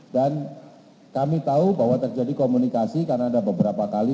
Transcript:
dan kami tahu bahwa terjadi komunikasi karena ada beberapa kali